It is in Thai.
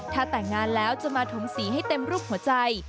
ถ้าแต่งงานแล้วจะมาถุงสีให้เต็มรูปหัวใจ